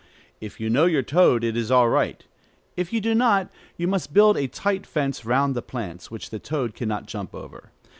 If you know your toad, it is all right. If you do not, you must build a tight fence round the plants, which the toad can not jump over.